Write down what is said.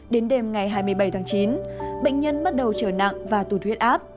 đến đêm ngày hai mươi bảy tháng chín bệnh nhân bắt đầu trở nặng và tụt huyết áp